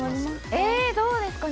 えどうですかね。